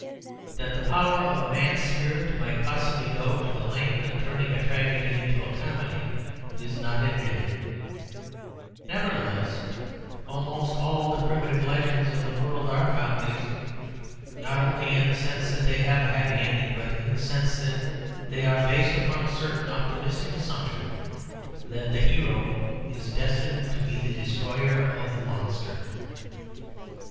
That the power of a man's spirit might possibly go to the length of turning a tragedy into a comedy is not admitted; nevertheless, almost all the primitive legends of the world are comedies, not only in the sense that they have a happy ending, but in the sense that they are based upon a certain optimistic assumption that the hero is destined to be the destroyer of the monster.